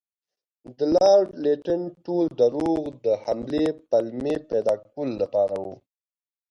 د لارډ لیټن ټول دروغ د حملې پلمې پیدا کولو لپاره وو.